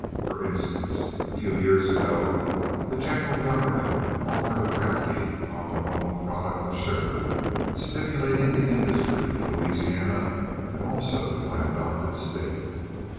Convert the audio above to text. For instance, a few years ago, the general government offered a bounty on the home product of sugar, stimulating the industry in Louisiana and also in my adopted State.